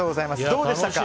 どうでしたか？